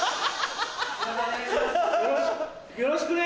よろしくね今日。